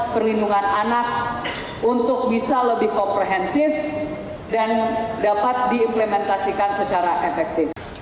perlindungan anak untuk bisa lebih komprehensif dan dapat diimplementasikan secara efektif